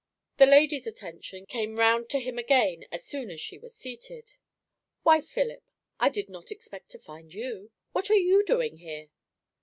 The lady's attention came round to him again as soon as she was seated. "Why, Philip, I did not expect to find you. What are you doing here?"